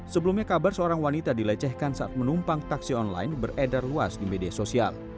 sebelumnya kabar seorang wanita dilecehkan saat menumpang taksi online beredar luas di media sosial